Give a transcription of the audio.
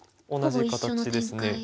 同じ形ですね。